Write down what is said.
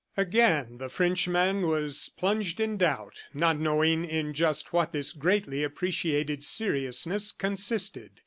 Again the Frenchman was plunged in doubt, not knowing in just what this greatly appreciated seriousness consisted.